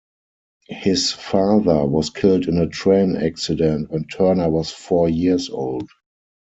His father was killed in a train accident when Turner was four years old.